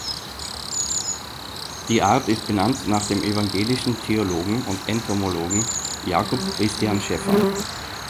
Die Art ist benannt nach dem evangelischen Theologen und Entomologen Jacob Christian Schäffer.